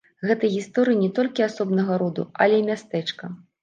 Гэта гісторыя не толькі асобнага роду, але і мястэчка.